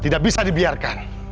tidak bisa dibiarkan